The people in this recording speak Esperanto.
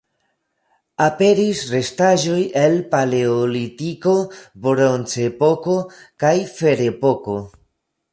Aperis restaĵoj el Paleolitiko, Bronzepoko kaj Ferepoko.